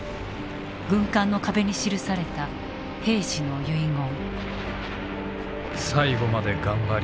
軍艦の壁に記された兵士の遺言。